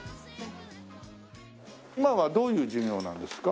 今はどういう授業なんですか？